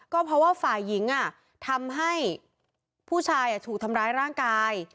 ก็เพราะว่าฝ่ายหญิงทำให้ผู้ชายถูกทำร้ายร่างกาย